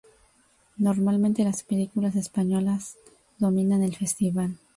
Normalmente, las películas españolas dominan el Festival.